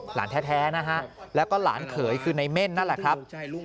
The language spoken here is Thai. หลานแท้นะฮะแล้วก็หลานเขยคือในเม่นนั่นแหละครับ